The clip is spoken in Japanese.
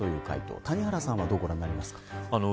谷原さんはどうご覧になりますか。